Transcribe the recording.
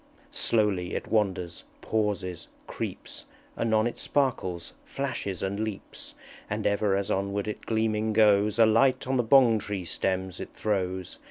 Slowly it wanders, pauses, creeps, Anon it sparkles, flashes, and leaps; And ever as onward it gleaming goes A light on the Bong tree stems it throws.